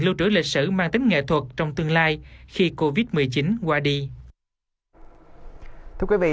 lưu trữ lịch sử mang tính nghệ thuật trong tương lai khi covid một mươi chín qua đi